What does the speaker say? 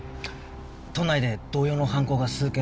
都内で同様の犯行が数件起きてる。